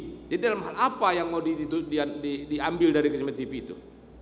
jadi dalam hal apa yang mau diambil dari kamera cctv itu